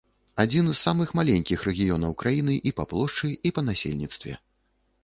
Адзін з самых маленькіх рэгіёнаў краіны і па плошчы, і па насельніцтве.